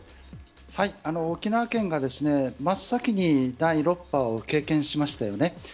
沖縄県が真っ先に第６波を経験しましたよね。